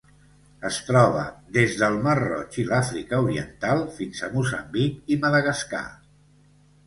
Es troba des del Mar Roig i l'Àfrica Oriental fins a Moçambic i Madagascar.